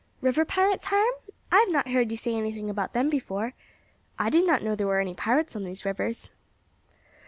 "River pirates, Hiram? I have not heard you say anything about them before. I did not know there were any pirates on these rivers."